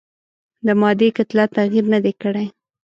د مادې کتله تغیر نه دی کړی.